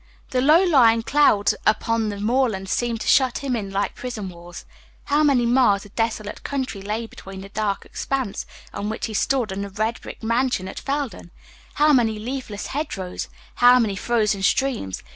The low lying clouds upon the moorlands seemed to shut him in like prison walls. How many miles of desolate country lay between the dark expanse on which he stood and the red brick mansion at Felden! how many leafless hedge rows! how many frozen streams!